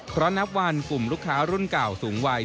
เพราะนับวันกลุ่มลูกค้ารุ่นเก่าสูงวัย